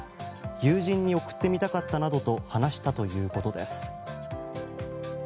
友人に送ってみたかったなどと話したということです。